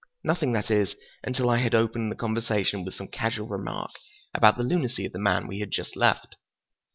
Nothing, that is, until I had opened the conversation with some casual remark about the lunacy of the man we had just left.